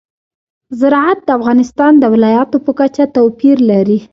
زراعت د افغانستان د ولایاتو په کچه توپیر لري.